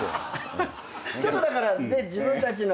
ちょっとだから自分たちの。